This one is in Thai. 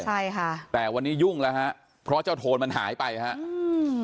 ใช่ค่ะแต่วันนี้ยุ่งแล้วฮะเพราะเจ้าโทนมันหายไปฮะอืม